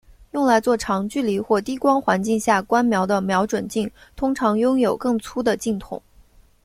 用来做长距离或低光环境下观瞄的瞄准镜通常拥有更粗的镜筒。